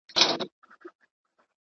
ټول استازي به د اساسي قانون درناوی وکړي.